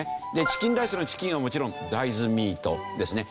チキンライスのチキンはもちろん大豆ミートですね。